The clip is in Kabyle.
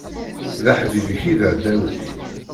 D aḥbib-ik i d aɛdaw-ik.